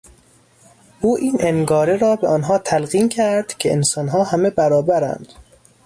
او این انگاره را به آنها تلقین کرد که انسانها همه برابرند.